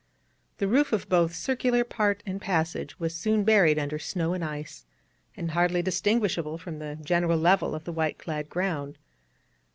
The roof of both circular part and passage was soon buried under snow and ice, and hardly distinguishable from the general level of the white clad ground.